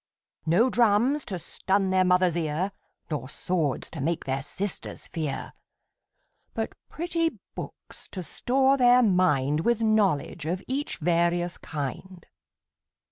No drums to stun their Mother's ear, Nor swords to make their sisters fear; But pretty books to store their mind With knowledge of each various kind.